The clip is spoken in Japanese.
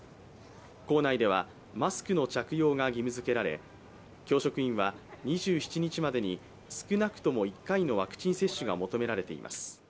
校内ではマスクの着用が義務付けられ教職員は２７日までに少なくとも１回のワクチン接種が求められています。